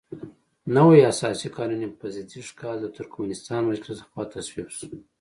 نوی اساسي قانون یې په زېږدیز کال د ترکمنستان مجلس لخوا تصویب شو.